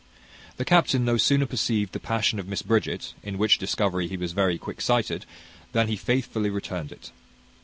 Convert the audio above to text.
The captain no sooner perceived the passion of Miss Bridget, in which discovery he was very quick sighted, than he faithfully returned it.